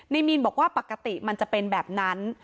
มีนบอกว่าปกติมันจะเป็นแบบนั้น